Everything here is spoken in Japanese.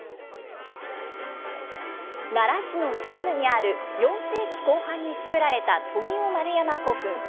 奈良市の西部にある４世紀後半につくられた富雄丸山古墳。